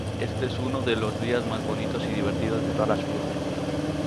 Éste es uno de los días más bonitos y divertidos de todas las fiestas.